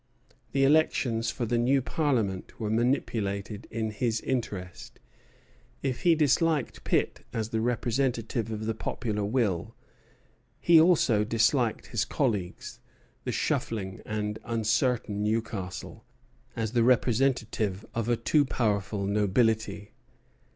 The elections for the new Parliament were manipulated in his interest. If he disliked Pitt as the representative of the popular will, he also disliked his colleague, the shuffling and uncertain Newcastle, as the representative of a too powerful nobility.